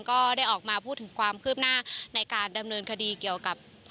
ก็ได้ออกมาพูดถึงความคืบหน้าในการดำเนินคดีเกี่ยวกับ